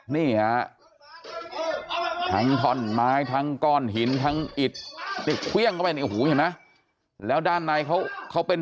นี่ทั้งคอนไม้ทั้งก้อนหินทั้งอิตติดเครื่องแล้วด้านในเขาเขาเป็น